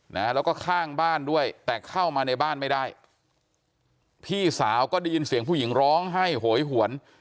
นะแล้วก็ข้างบ้านด้วยแต่เข้ามาในบ้านไม่ได้พี่สาวก็ได้ยินเสียงผู้หญิงร้องไห้โหยหวน